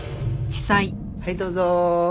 はいどうぞ。